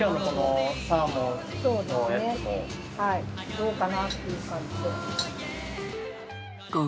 どうかな？っていう感じで。